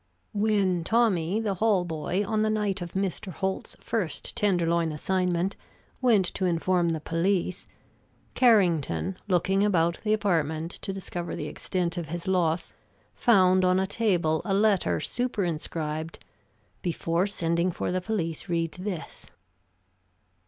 When Tommy, the hall boy, on the night of Mr. Holt's first Tenderloin assignment, went to inform the police, Carrington, looking about the apartment to discover the extent of his loss, found on a table a letter superinscribed, "Before sending for the police, read this."